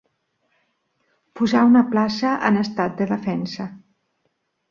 Posar una plaça en estat de defensa.